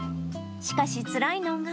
しかし、つらいのが。